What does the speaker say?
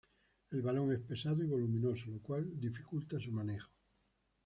El balón es pesado y voluminoso lo cual dificulta su manejo.